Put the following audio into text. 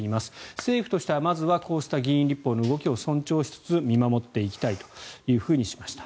政府としてはまずはこうした議員立法の動きを尊重しつつ見守っていきたいとしました。